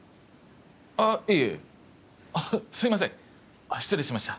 あぁいえあっすいません失礼しました。